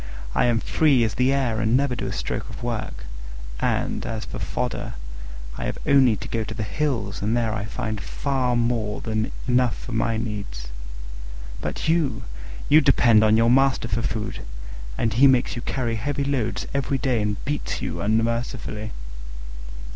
I am free as the air, and never do a stroke of work; and, as for fodder, I have only to go to the hills and there I find far more than enough for my needs. But you! you depend on your master for food, and he makes you carry heavy loads every day and beats you unmercifully."